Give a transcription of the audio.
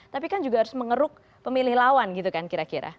tapi kan juga harus mengeruk pemilih lawan gitu kan kira kira